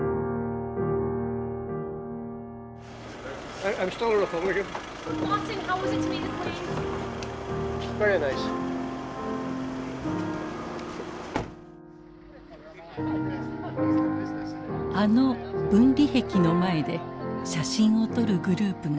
あの分離壁の前で写真を撮るグループがいた。